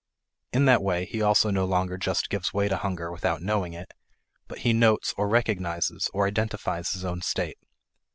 In that way, he also no longer just gives way to hunger without knowing it, but he notes, or recognizes, or identifies his own state.